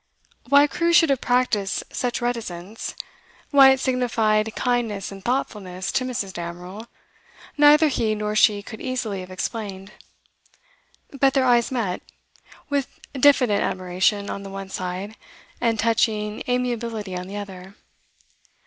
Why Crewe should have practised such reticence, why it signified kindness and thoughtfulness to Mrs. Damerel, neither he nor she could easily have explained. But their eyes met, with diffident admiration on the one side, and touching amiability on the other.